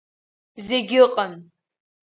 Зегь ыҟан…